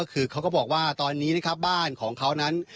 คือเขาก็บอกว่าตอนนี้นะครับบ้านของเขานั้น